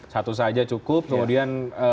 satu saja cukup kemudian